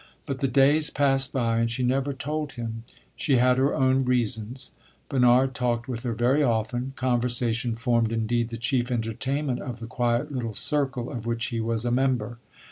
But the days passed by, and she never told him she had her own reasons. Bernard talked with her very often; conversation formed indeed the chief entertainment of the quiet little circle of which he was a member.